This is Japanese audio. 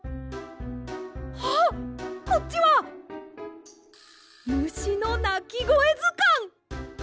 あっこっちは「むしのなきごえずかん」！